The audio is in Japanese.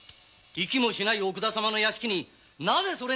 行きもしない奥田様の屋敷になぜそれが！？